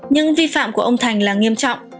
nhưng vi phạm của ông thành là nghiêm trọng